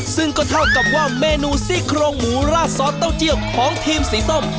ซึ่งก็เท่ากับว่าเมนูซี่โครงหมูราดซอสเต้าเจียวของทีมสีส้ม